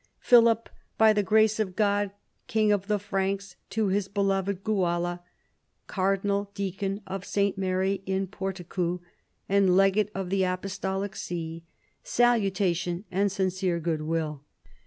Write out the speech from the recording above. " Philip, by the grace of God, King of the Franks, to his beloved Guala, cardinal deacon of S. Mary in Porticu and legate of the apostolic see, salutation and sincere goodwill.